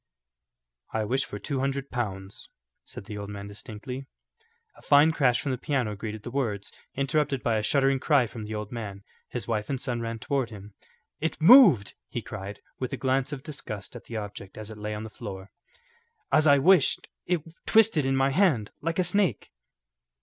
"I wish for two hundred pounds," said the old man distinctly. A fine crash from the piano greeted the words, interrupted by a shuddering cry from the old man. His wife and son ran toward him. "It moved," he cried, with a glance of disgust at the object as it lay on the floor. "As I wished, it twisted in my hand like a snake."